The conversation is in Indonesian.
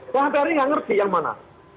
saya sampai hari ini nggak ngerti yang mana